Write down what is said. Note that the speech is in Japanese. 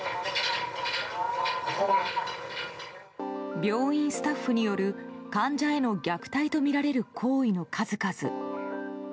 病院スタッフによる患者への虐待とみられる行為の数々。